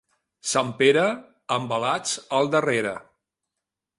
Sant Pere, envelats al darrere.